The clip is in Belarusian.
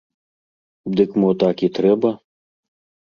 Дык, мо, так і трэба?